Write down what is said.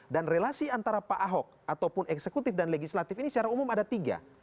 relasi antara pak ahok ataupun eksekutif dan legislatif ini secara umum ada tiga